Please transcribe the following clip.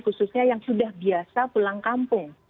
khususnya yang sudah biasa pulang kampung